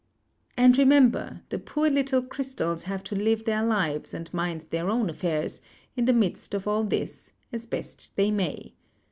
"And, remember, the poor little crystals have to live their lives, and mind their own affairs, in the midst of all this, as best they may.